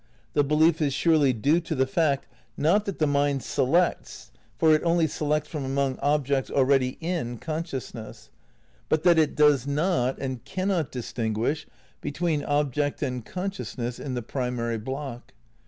The belief is surely due to the fact, not that the mind selects (for it only selects from among objects already "in" con sciousness), but that it does not and cannot distinguish between object and consciousness in the primary block.